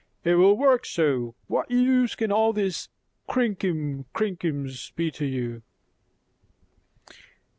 "It will work so. What use can all these krinkum krankums be to you?